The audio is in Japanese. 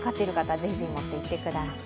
ぜひぜひ持っていってください。